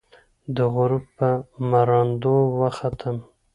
د غروب پر مراندو، وختم